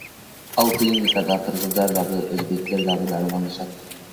Ал клиникада кыргыздар дагы, өзбектер дагы дарыланышат.